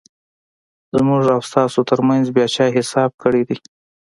زموږ او ستاسو ترمنځ بیا چا حساب کړیدی؟